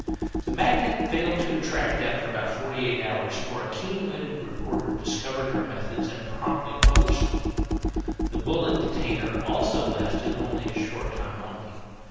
The Magnet failed to attract after about forty eight hours, for a keen witted reporter discovered her methods and promptly published them. The bullet detainer also lasted only a short time only.